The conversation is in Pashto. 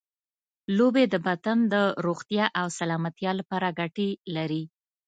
لوبې د بدن د روغتیا او سلامتیا لپاره ګټې لري.